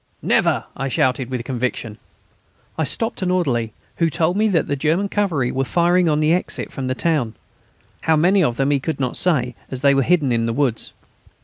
"Never!" I shouted, with conviction. I stopped an orderly, who told me that the German cavalry were firing on the exit from the town. How many of them he could not say, as they were hidden in the woods.